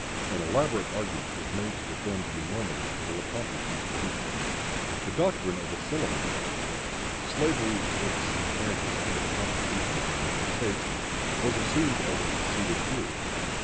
An elaborate argument was made to defend the enormities of the Lecompton Constitution. The doctrine of the Silliman letter, that "slavery exists in Kansas under the Constitution of the United States," was assumed as a conceded theory.